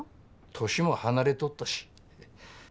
年も離れとったしま